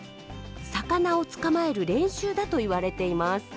魚を捕まえる練習だと言われています。